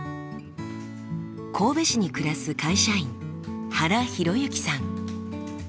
神戸市に暮らす会社員原弘幸さん。